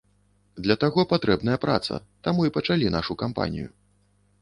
Для таго патрэбная праца, таму і пачалі нашу кампанію.